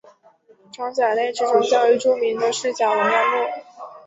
装甲类之中较为著名的是甲龙亚目。